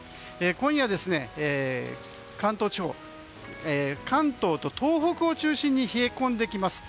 今夜は関東地方、東北を中心に冷え込んできます。